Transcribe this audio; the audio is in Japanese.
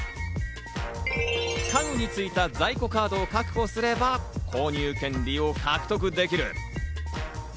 家具についた在庫カードを確保すれば購入権利を獲得できる。